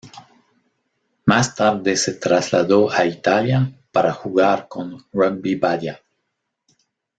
Más tarde se trasladó a Italia para jugar con Rugby Badia.